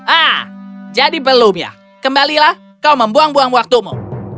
ah jadi belum ya kembalilah kau membuang buang waktumu